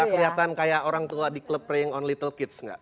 gak kelihatan kayak orang tua di club preying on little kids gak